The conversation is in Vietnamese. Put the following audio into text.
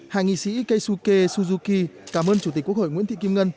hai nghị sĩ keisuke suzuki cảm ơn chủ tịch quốc hội nguyễn thị kim ngân